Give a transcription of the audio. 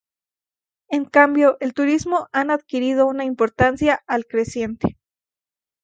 En cambio el turismo han adquirido una importancia al creciente.